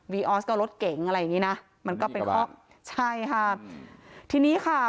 ออสก็รถเก๋งอะไรอย่างงี้นะมันก็เป็นเคาะใช่ค่ะทีนี้ค่ะ